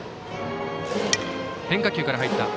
変化球から入った。